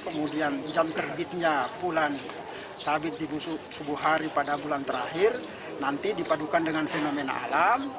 kemudian jam terbitnya bulan sabit di subuh hari pada bulan terakhir nanti dipadukan dengan fenomena alam